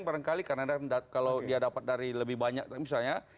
barangkali karena kalau dia dapat dari lebih banyak misalnya